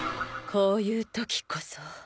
こういうときこそ。